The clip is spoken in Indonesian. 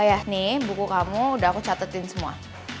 oh ya nih buku kamu udah aku catetin semua